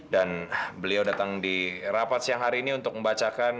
beliau datang di rapat siang hari ini untuk membacakan